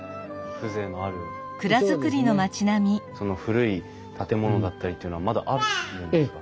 その古い建物だったりっていうのはまだあるんですか？